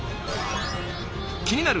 気になる